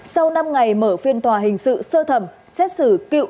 sau năm ngày mở phiên tòa hình sự sơ thẩm xét xử cựu